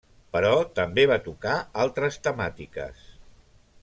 Però també va tocar altres temàtiques.